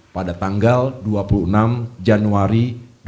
pada tanggal dua puluh enam januari dua ribu dua puluh